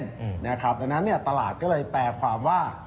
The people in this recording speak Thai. ดังนั้นตลาดก็เลยแปลความว่า